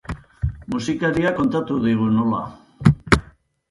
Musikariak kontatu digu nola.